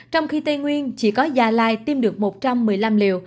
trong khi tây nguyên chỉ có gia lai tiêm được một trăm một mươi năm liều